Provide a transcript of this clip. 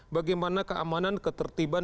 bagaimana keamanan ketertiban